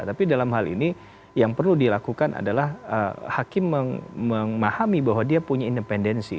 tapi dalam hal ini yang perlu dilakukan adalah hakim memahami bahwa dia punya independensi